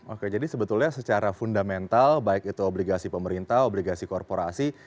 oke jadi sebetulnya secara fundamental baik itu obligasi pemerintah obligasi korporasi